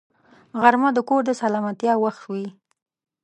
غرمه د کور د سلامتیا وخت وي